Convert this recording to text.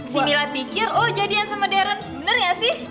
si mila pikir oh jadian semedern bener gak sih